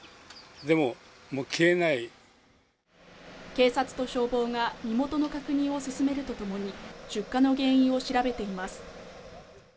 警察と消防が身元の確認を進めるとともに出火の原因を調べています